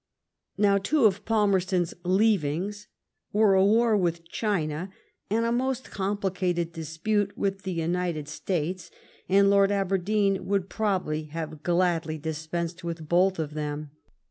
Now two of Palmerston's "leavings" were a war with China and a most complicated dispute with the United States, and Lord Aberdeen would probably have gladly dispensed with both of them.